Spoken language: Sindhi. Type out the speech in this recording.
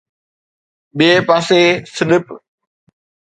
ٻئي پاسي سلپ